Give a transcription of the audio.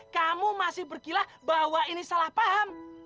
kamu masih berkilah bahwa ini salah paham